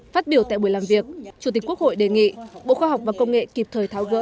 phát biểu tại buổi làm việc chủ tịch quốc hội đề nghị bộ khoa học và công nghệ kịp thời tháo gỡ